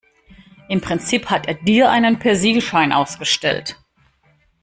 Im Prinzip hat er dir einen Persilschein ausgestellt.